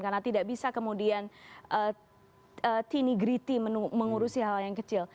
karena tidak bisa kemudian tini griti mengurusi hal yang kecil